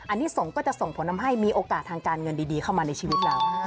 อันนี้ส่งก็จะส่งผลทำให้มีโอกาสทางการเงินดีเข้ามาในชีวิตเรา